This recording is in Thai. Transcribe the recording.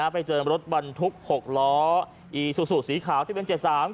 ไปเจอรถบรรทุก๖ล้อสูตรสูตรสีขาวที่เป็น๗๓๑๙๕๓